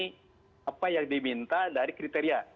apa yang diminta dari kriteria